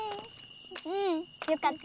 うんよかった。